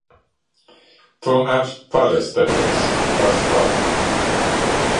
Tomēr parastajos. Tas labi.